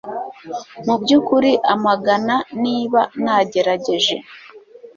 mubyukuri, amagana niba nagerageje